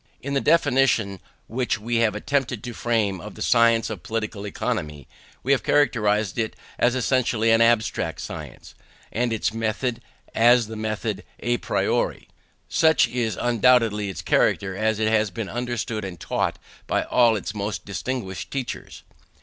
In the definition which we have attempted to frame of the science of Political Economy, we have characterized it as essentially an abstract science, and its method as the method à priori. Such is undoubtedly its character as it has been understood and taught by all its most distinguished teachers.